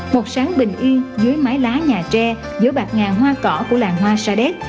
một sáng bình yên dưới mái lá nhà tre giữa bạc ngàn hoa cỏ của làng hoa sa đếc